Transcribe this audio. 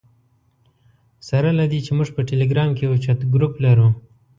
سره له دې چې موږ په ټلګرام کې یو چټ ګروپ لرو.